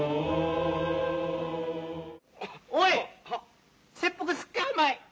おい切腹すっか？